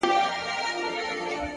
ژوند يې پکي ونغښتی- بيا يې رابرسيره کړ-